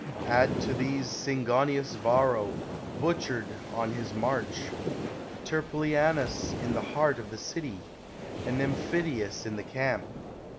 Add to these Cingonius Varro, butch ered on his march, Turpilianus in the heart of the city, and Nymphidius in the camp.